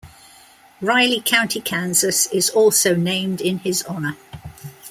Riley County, Kansas is also named in his honor.